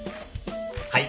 はい。